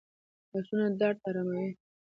لاسونه درد آراموي